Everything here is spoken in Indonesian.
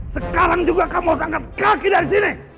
sekarang juga kamu angkat kaki dari sini